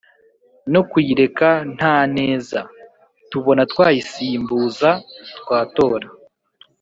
no kuyireka nta neza tubonatwayisimbuza, twatora.